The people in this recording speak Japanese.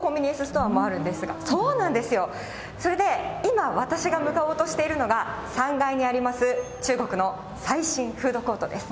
１階には普通のストアもあるんですが、それで、今、私が向かおうとしているのが、３階にあります、中国の最新フードコートです。